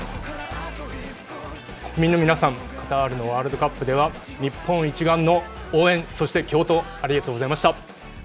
国民の皆さん、カタールのワールドカップでは日本一丸の応援そして共闘、ありがとうございました。